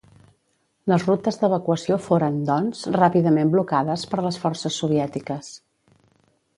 Les rutes d'evacuació foren, doncs, ràpidament blocades per les forces soviètiques.